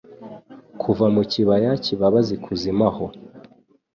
kuva mu kibaya kibabaza ikuzimu aho